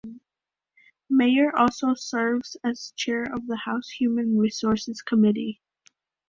Meyer also serves as chair of the House Human Resources Committee.